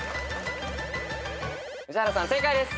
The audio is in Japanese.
宇治原さん正解です。